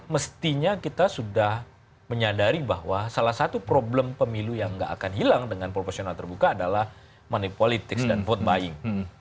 mestinya kita sudah menyadari bahwa salah satu problem pemilu yang nggak akan hilang dengan proporsional terbuka adalah money politics dan vote buying